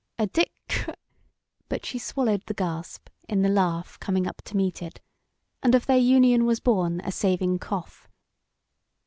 "A dic ?" but she swallowed the gasp in the laugh coming up to meet it, and of their union was born a saving cough.